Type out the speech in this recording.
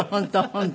本当。